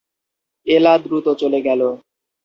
এলা দ্রুত চলে গেল।